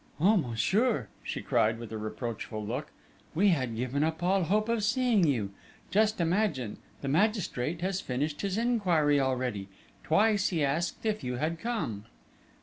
"Ah, monsieur!" she cried, with a reproachful look. "We had given up all hope of seeing you.... Just imagine, the magistrate has finished his enquiry already! Twice he asked if you had come!"